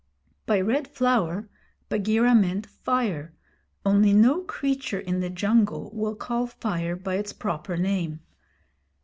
By Red Flower Bagheera meant fire, only no creature in the jungle will call fire by its proper name.